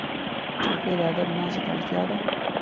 چوکۍ د ادب ناستې ته اړتیا ده.